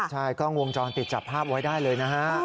ใช่กล้องวงจรปิดจับภาพไว้ได้เลยนะฮะ